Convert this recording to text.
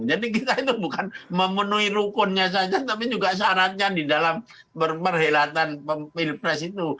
jadi kita itu bukan memenuhi rukunnya saja tapi juga syaratnya di dalam berperhelatan pemilu